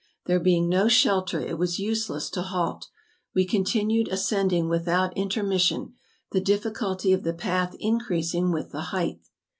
There being no shelter it was useless to halt; we continued ascending without intermission, the diffi¬ culty of the path increasing with the height.